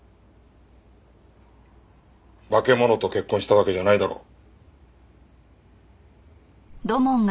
化け物と結婚したわけじゃないだろう？